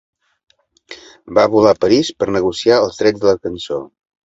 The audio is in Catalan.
Va volar a París per negociar els drets de la cançó.